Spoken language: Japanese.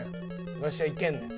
わしはいけんねん。